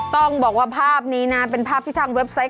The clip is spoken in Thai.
ต้องบอกว่าภาพนี้นะเป็นภาพที่ทางเว็บไซต์